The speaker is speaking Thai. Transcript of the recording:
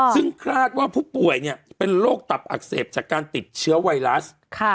ซึ่งคาดว่าผู้ป่วยเป็นโรคตับอักเสบจากการติดเชื้อไวรัส